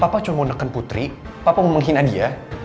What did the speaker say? papa cuma menekan putri papa mau menghina dia